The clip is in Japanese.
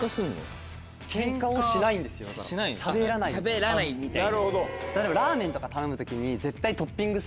しゃべらないみたいな。